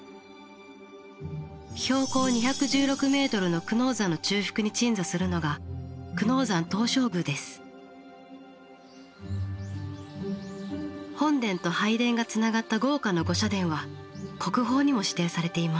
標高２１６ｍの久能山の中腹に鎮座するのが本殿と拝殿がつながった豪華な御社殿は国宝にも指定されています。